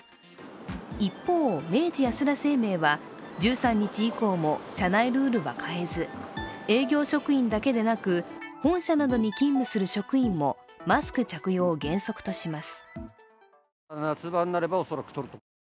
一方、明治安田生命は１３日以降も社内ルールは変えず営業職員だけでなく、本社などに勤務する職員もマスク着用を原則とします。